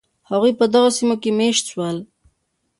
هغوی په دغو سیمو کې مېشت شول.